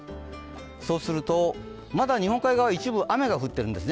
そうすると、まだ日本海側一部雨が降ってるんですね